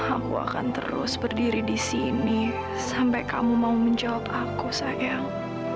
aku akan terus berdiri di sini sampai kamu mau menjawab aku sayang